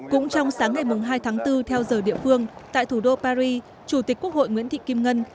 cũng trong sáng ngày hai tháng bốn theo giờ địa phương tại thủ đô paris chủ tịch quốc hội nguyễn thị kim ngân